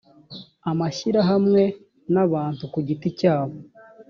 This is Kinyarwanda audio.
amashyirahamwe n abantu ku giti cyabo